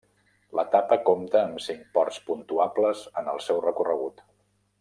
L'etapa compta amb cinc ports puntuables en el seu recorregut.